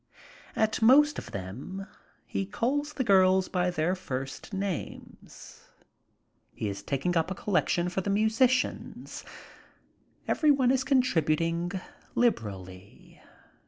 At most of them he calls the girls by their first names. He is taking up a collection for the musicians. Everyone is contributing liberally.